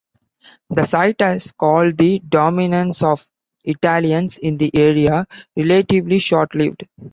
The site has called the dominance of Italians in the area, relatively short lived.